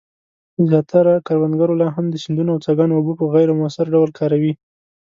زیاتره کروندګر لا هم د سیندونو او څاګانو اوبه په غیر مؤثر ډول کاروي.